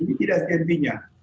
ini tidak henti hentinya